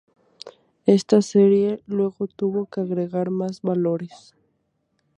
Esta serie luego tuvo que agregar mas valores.